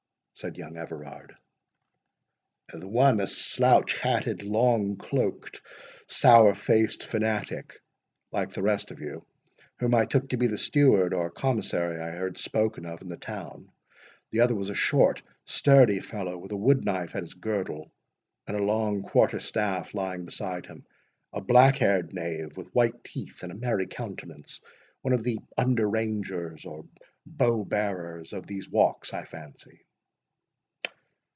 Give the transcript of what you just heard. said young Everard. "The one a slouch hatted, long cloaked, sour faced fanatic, like the rest of you, whom I took to be the steward or commissary I heard spoken of in the town; the other was a short sturdy fellow, with a wood knife at his girdle, and a long quarterstaff lying beside him—a black haired knave, with white teeth and a merry countenance—one of the under rangers or bow bearers of these walks, I fancy."